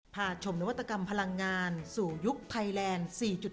พาชมนวัตกรรมพลังงานสู่ยุคไทยแลนด์๔๗